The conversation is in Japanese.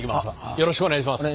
よろしくお願いします。